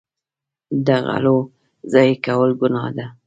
د غلو ضایع کول ګناه ده.